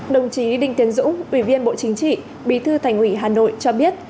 đồng chí đinh tiến dũng ủy viên bộ chính trị bí thư thành ủy hà nội cho biết